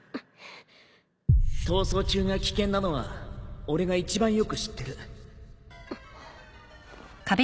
逃走中が危険なのは俺が一番よく知ってる